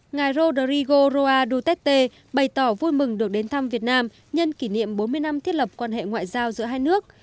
ngài rodrigo roa duterte bày tỏ vui mừng được đến thăm việt nam nhân kỷ niệm bốn mươi năm thiết lập quan hệ ngoại giao giữa hai nước